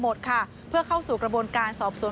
หมดค่ะเพื่อเข้าสู่กระบวนการสอบสวน